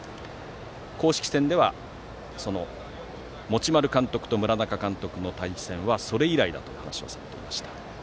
公式戦では持丸監督と村中監督の対戦はそれ以来だという話をされていました。